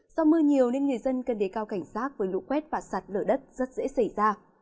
do mưa nhiều nên người dân cần đề cao cảnh giác với lũ quét và sạt lở đất rất dễ xảy ra